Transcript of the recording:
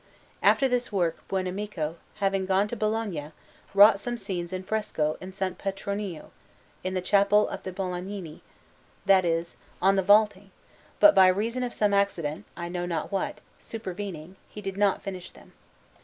After this work Buonamico, having gone to Bologna, wrought some scenes in fresco in S. Petronio, in the Chapel of the Bolognini that is, on the vaulting; but by reason of some accident, I know not what, supervening, he did not finish them.